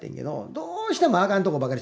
どうしてもアカンとこばかり。